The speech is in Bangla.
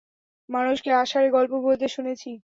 মানুষকে আষাড়ে গল্প বলতে শুনেছি।